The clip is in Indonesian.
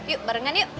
yuk barengan yuk